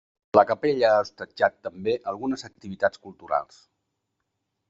La capella ha hostatjat també algunes activitats culturals.